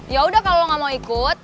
ya udah kalau lo gak mau ikut